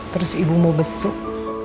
terus ibu mau besuk